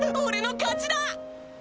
俺の勝ちだ！